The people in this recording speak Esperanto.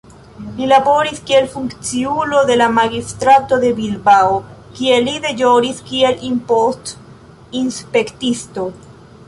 Li laboris kiel funkciulo de la magistrato de Bilbao, kie li deĵoris kiel impost-inspektisto.